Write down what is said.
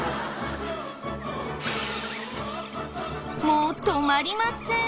もう止まりません！